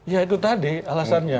ya itu tadi alasannya